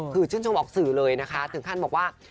คือชื่นชมออกสื่อเลยนะคะถึงขั้นบอกว่า